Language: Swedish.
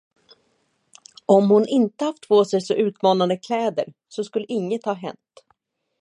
Om hon inte haft på sig så utmanande kläder, så skulle inget ha hänt.